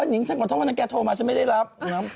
นิงฉันขอโทษว่านายแกโทรมาฉันไม่ได้รับ